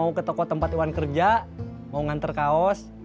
mau ke toko tempat iwan kerja mau ngantar kaos